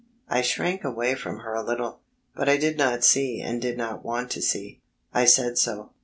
I shrank away from her a little but I did not see and did not want to see. I said so.